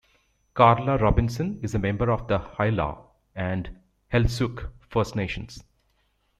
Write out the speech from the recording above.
Carla Robinson is a member of the Haisla and Heiltsuk First Nations.